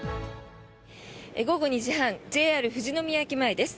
午後２時半ＪＲ富士宮駅前です。